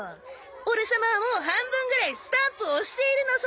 オレ様はもう半分ぐらいスタンプを押しているのさ！